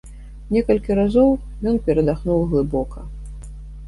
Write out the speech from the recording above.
Некалькі разоў ён перадыхнуў глыбока.